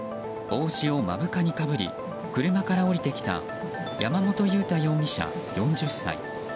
帽子を目深にかぶり車から降りてきた山本裕太容疑者、４０歳。